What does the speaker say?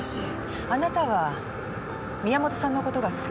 あなたは宮本さんのことが好きだった。